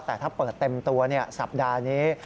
แต่ถ้าเปิดเต็มตัวสัปดาห์นี้